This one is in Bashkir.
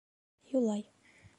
Юлай: